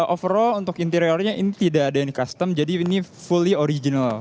overall untuk interiornya ini tidak ada yang di custom jadi ini fully original